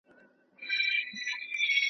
د دنیا لمن ده پراخه عیش او نوش یې نه ختمیږي .